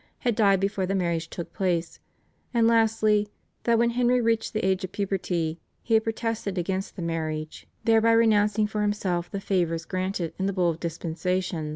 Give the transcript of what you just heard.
had died before the marriage took place; and lastly that when Henry reached the age of puberty he had protested against the marriage, thereby renouncing for himself the favours granted in the Bull of dispensation.